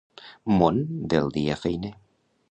Món del dia feiner